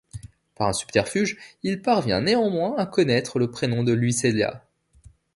Par un subterfuge, il parvient néanmoins à connaître le prénom de Luisella.